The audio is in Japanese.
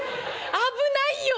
危ないよ。